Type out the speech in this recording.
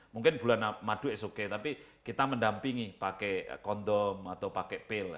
mungkin bulan madu itu oke tapi kita mendampingi pakai kondom atau pakai pil